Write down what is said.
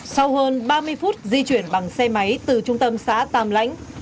sau hơn ba mươi phút di chuyển bằng xe máy từ trung tâm xã tàm lãnh